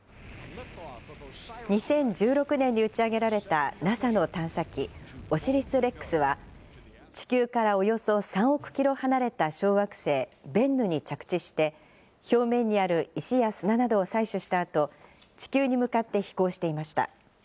２０１６年に打ち上げられたＮＡＳＡの探査機、オシリス・レックスは、地球からおよそ３億キロ離れた小惑星ベンヌに着地して、表面にある石や砂などを採取したあと、地球に向かって飛行していました。